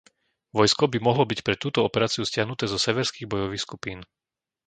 Vojsko by mohlo byť pre túto operáciu stiahnuté zo Severských bojových skupín.